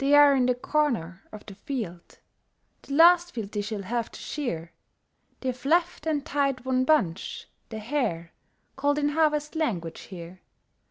END OF in the corner of the field, * The last field they shall have to shear, They've left and tied one bunch, * the hare/ Called in harvest language here.